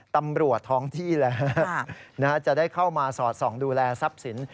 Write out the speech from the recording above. ตำรวจท้องที่แล้วจะได้เข้ามาสอดส่องดูแลทรัพย์สิน